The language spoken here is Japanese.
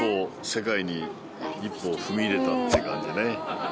世界に一歩踏み入れたって感じね